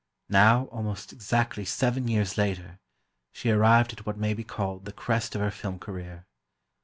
Now, almost exactly seven years later, she arrived at what may be called the crest of her film career.